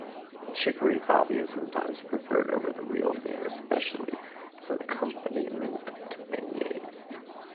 Chicory coffee is sometimes preferred over the real thing-especially as an accompaniment to beignets.